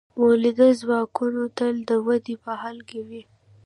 مؤلده ځواکونه تل د ودې په حال کې وي.